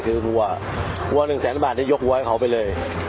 คือวัว๑แสนบาทนี่ยกหัวให้เขาไปเลย